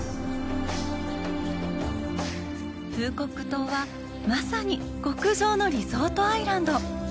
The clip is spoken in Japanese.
フーコック島は、まさに極上のリゾートアイランド。